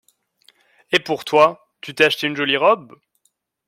Et pour toi, tu t’es achetée une jolie robe?